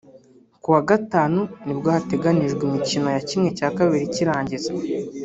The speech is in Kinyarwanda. Ku wa gatanu nibwo hateganijwe imikino ya ½ cy’irangiza